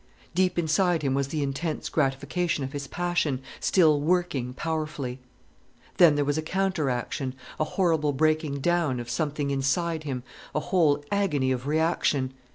Deep inside him was the intense gratification of his passion, still working powerfully. Then there was a counter action, a horrible breaking down of something inside him, a whole agony of reaction.